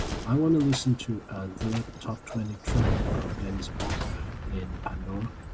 i wanna listen to a the top-twenty track of Denniz Pop in Pandora